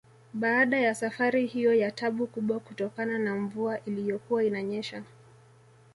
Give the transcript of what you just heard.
Baada ya safari hiyo ya tabu kubwa kutokana na mvua iliyokuwa inanyesha